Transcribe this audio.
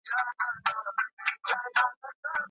د علمي کلتور پراختیا د مطالعې په رڼا کې ممکنه ده.